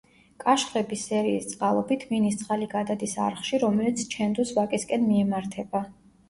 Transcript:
კაშხლების სერიის წყალობით, მინის წყალი გადადის არხში, რომელიც ჩენდუს ვაკისკენ მიემართება.